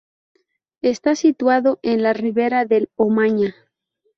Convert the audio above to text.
Está situado en la ribera del Omaña.